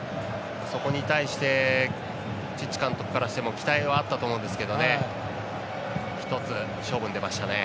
そこに対してチッチ監督からしても期待はあったと思うんですけど一つ、勝負に出ましたね。